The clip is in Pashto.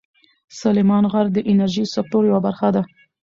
سلیمان غر د انرژۍ سکتور یوه برخه ده.